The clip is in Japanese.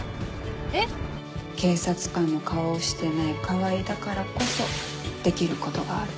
えっ⁉警察官の顔をしてない川合だからこそできることがある。